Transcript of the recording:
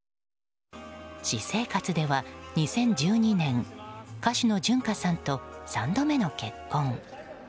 私生活では、２０１２年歌手の純歌さんと３度目の結婚。